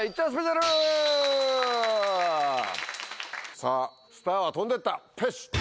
さぁスターは飛んでったペシっ！